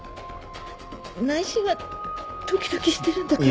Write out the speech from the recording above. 内心はドキドキしてるんだから。